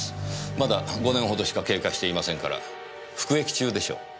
まだ５年ほどしか経過していませんから服役中でしょう。